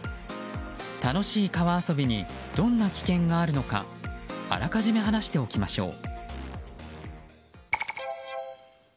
楽しい川遊びにどんな危険があるのかあらかじめ話しておきましょう。